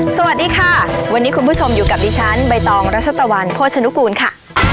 สวัสดีค่ะวันนี้คุณผู้ชมอยู่กับดิฉันใบตองรัชตะวันโภชนุกูลค่ะ